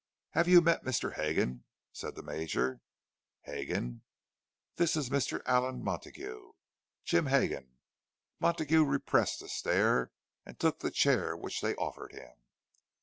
"Have you met Mr. Hegan?" said the Major. "Hegan, this is Mr. Allan Montague." Jim Hegan! Montague repressed a stare and took the chair which they offered him.